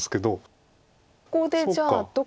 ここでじゃあどこに？